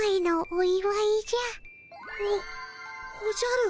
おおじゃる。